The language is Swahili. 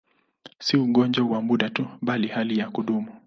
Si ugonjwa wa muda tu, bali hali ya kudumu.